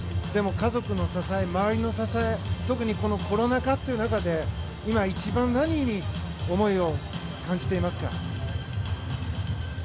家族の支え、周りの支え特にコロナ禍という中で今一番何に思いを感じていますか？